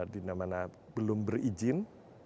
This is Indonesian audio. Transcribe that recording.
dimana belum berizin